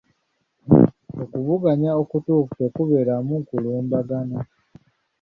Okuvuganya okutuufu tekubeeramu kulumbagana.